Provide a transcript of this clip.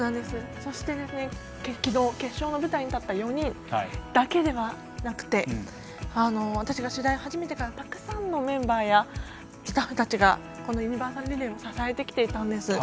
そして、昨日決勝の舞台に立った４人だけではなくて私が取材を始めてからたくさんのメンバーやスタッフたちがこのユニバーサルリレーを支えてきていたんです。